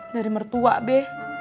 dari mertua be